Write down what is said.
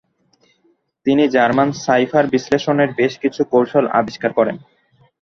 তিনি German cipher বিশ্লেষণের বেশ কিছু কৌশল আবিষ্কার করেন।